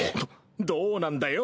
どうなんだよ